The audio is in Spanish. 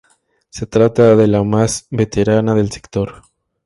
Se trata de la más veterana del sector.